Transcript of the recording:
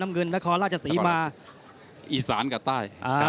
นครราชสีมาอีสานกับใต้